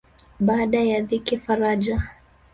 Baada ya dhiki faraja